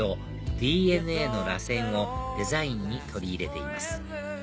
ＤＮＡのらせんをデザインに取り入れています